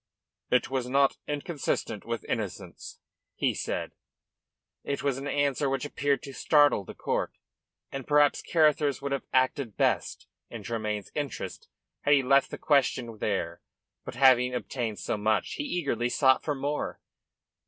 "It was not inconsistent with innocence," he said. It was an answer which appeared to startle the court, and perhaps Carruthers would have acted best in Tremayne's interest had he left the question there. But having obtained so much he eagerly sought for more.